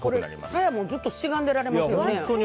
さやもずっと、しがんでられますね。